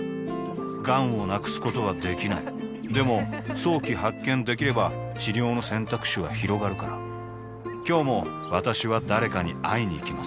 がんを無くすことはできないでも早期発見できれば治療の選択肢はひろがるから今日も私は誰かに会いにいきます